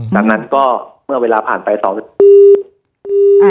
ดังนั้นก็เมื่อเวลาผ่านไป๒นาที